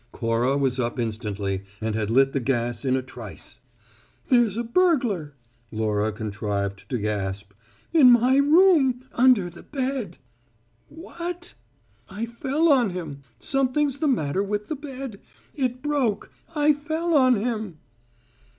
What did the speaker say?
Cora was up instantly; and had lit the gas in a trice. "There's a burglar!" Laura contrived to gasp. "In my room! Under the bed!" "What!" "I fell on him! Something's the matter with the bed. It broke. I fell on him!"